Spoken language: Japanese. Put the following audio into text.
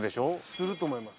すると思います。